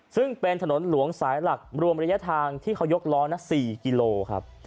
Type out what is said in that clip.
ซึ่งเป็นถนนหลวงสายหลักรวมระยะทางที่เขายกล้อนะ๔กิโลครับ